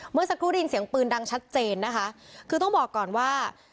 เมื่อสักครู่ได้ยินเสียงปืนดังชัดเจนนะคะคือต้องบอกก่อนว่า